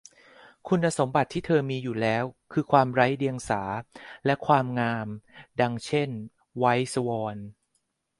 คุณสมบัติที่เธอมีอยู่แล้วคือความไร้เดียงสาและความงามดังเช่น ไวท์สวอน